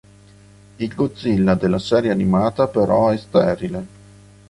Il Godzilla della serie animata però è sterile.